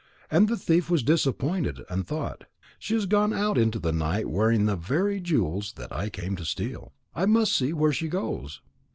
And the thief was disappointed, and thought: "She has gone out into the night wearing the very jewels that I came to steal. I must see where she goes."